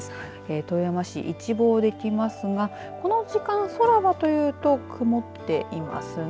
富山市一望できますがこの時間、空はというと曇っていますね。